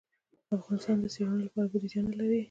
افغانستان د څېړنو لپاره بودیجه نه لري.